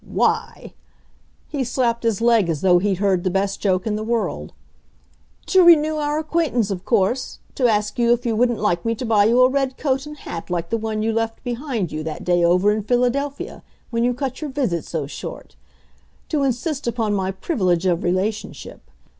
"Why!" He slapped his leg as though he'd heard the best joke in the world. "To renew our acquaintance, of course. To ask you if you wouldn't like me to buy you a red coat and hat like the one you left behind you that day over in Philadelphia, when you cut your visit so short. To insist upon my privilege of relationship.